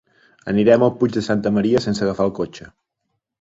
Anirem al Puig de Santa Maria sense agafar el cotxe.